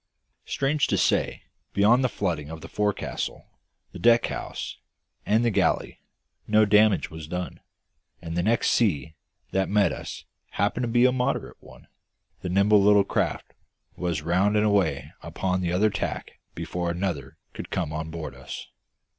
Strange to say, beyond the flooding of the forecastle, the deck house, and the galley, no damage was done; and, the next sea that met us happening to be a moderate one, the nimble little craft was round and away upon the other tack before another could come on board us.